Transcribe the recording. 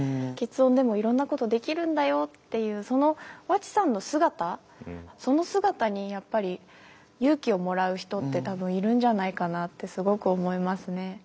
吃音でもいろんなことできるんだよっていうその和智さんの姿その姿にやっぱり勇気をもらう人って多分いるんじゃないかなってすごく思いますね。